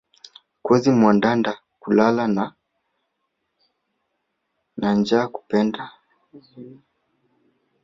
Kozi mwandada, kulala na njaa kupenda